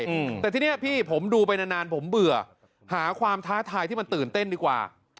อืมแต่ทีเนี้ยพี่ผมดูไปนานนานผมเบื่อหาความท้าทายที่มันตื่นเต้นดีกว่า